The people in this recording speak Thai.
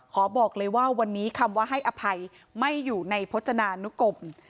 ขอบอกเลยว่าวันนี้คำว่าให้อภัยไม่อยู่ในพจนานุกรม